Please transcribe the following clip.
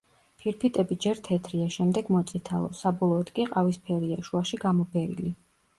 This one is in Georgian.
ფირფიტები ჯერ თეთრია, შემდეგ მოწითალო, საბოლოოდ კი ყავისფერია, შუაში გამობერილი.